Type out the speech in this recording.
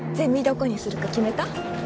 どこにするか決めた？